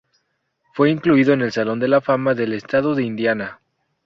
Fue incluido en el Salón de la Fama del Estado de Indiana.